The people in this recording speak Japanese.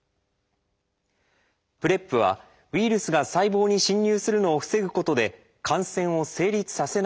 ＰｒＥＰはウイルスが細胞に侵入するのを防ぐことで感染を成立させない薬です。